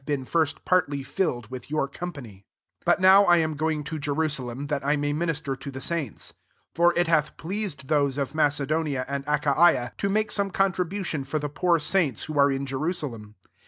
been first partly filled with your company. 25 But now I am going to Jerusalem, that I may minister to the sainte: 26 for it hath pleased those of Macedonia and Achaia to make some contribtt* tion for the poor saints who are in Jerusalem.